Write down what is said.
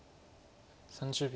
３０秒。